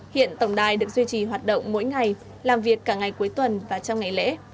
hiện tổng đài được duy trì hoạt động mỗi ngày làm việc cả ngày cuối tuần và trong ngày lễ